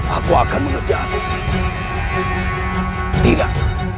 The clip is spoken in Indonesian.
aku akan mengejar tidak